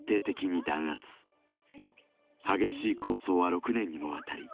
激しい抗争は６年にもわたり